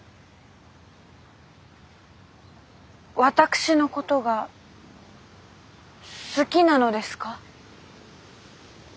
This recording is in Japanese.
私のことが好きなのですか？